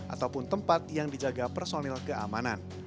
ataupun tempat yang dijaga personil keamanan